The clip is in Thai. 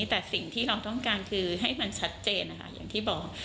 แต่สิ่งที่เราต้องการคือให้มันชัดเจนนะคะอย่างที่บอก